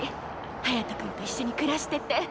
隼君と一緒に暮らしてて。